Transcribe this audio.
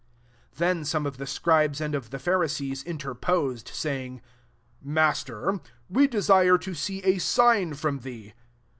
38 Then some of the Scribes and of the Pharisees interposed, saying, "Master, we desire to see a sign from thee."